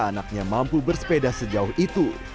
anaknya mampu bersepeda sejauh itu